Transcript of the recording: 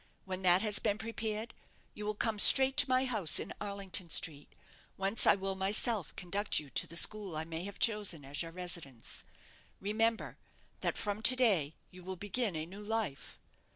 When that has been prepared, you will come straight to my house in Arlington Street, whence I will myself conduct you to the school I may have chosen as your residence. Remember, that from to day you will begin a new life.